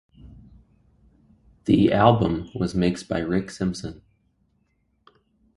The album was mixed by Rik Simpson.